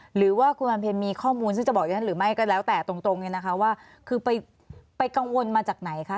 หรือว่าคุณวันเพ็ญมีข้อมูลซึ่งจะบอกดิฉันหรือไม่ก็แล้วแต่ตรงเนี่ยนะคะว่าคือไปกังวลมาจากไหนคะ